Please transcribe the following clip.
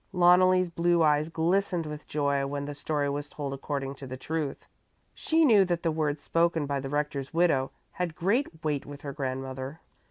Loneli's blue eyes glistened with joy when the story was told according to the truth. She knew that the words spoken by the rector's widow had great weight with her grandmother.